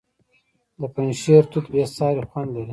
د پنجشیر توت بې ساري خوند لري.